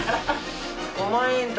「５万円旅」